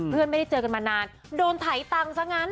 เพื่อนไม่ได้เจอกันมานานโดนไถตังซะงั้น